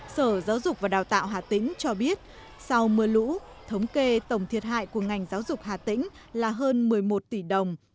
sở giáo dục và đào tạo hà tĩnh cho biết sau mưa lũ thống kê tổng thiệt hại của ngành giáo dục hà tĩnh là hơn một mươi một tỷ đồng